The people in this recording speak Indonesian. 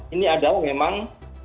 ini adalah memang